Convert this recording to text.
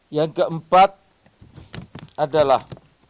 yang keempat adalah